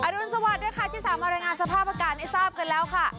รุนสวัสดิ์ด้วยค่ะที่สามารถรายงานสภาพอากาศให้ทราบกันแล้วค่ะ